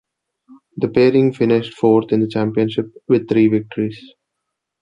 The pairing finished fourth in the championship with three victories.